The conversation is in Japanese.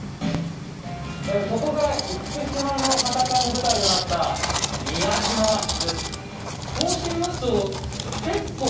ここが厳島の戦いの舞台となった宮島です。